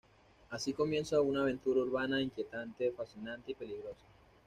Así comienza una aventura urbana inquietante, fascinante y peligrosa.